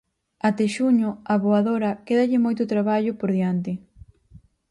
Até xuño, a Voadora quédalle moito traballo por diante.